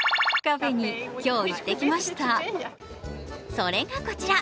それがこちら